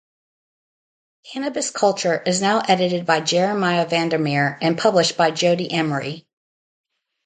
"Cannabis Culture" is now edited by Jeremiah Vandermeer and published by Jodie Emery.